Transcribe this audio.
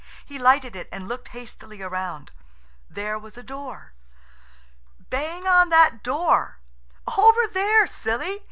He lighted it and looked hastily round. There was a door. "Bang on that door–over there, silly!"